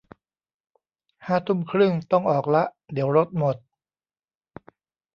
ห้าทุ่มครึ่งต้องออกละ เดี๋ยวรถหมด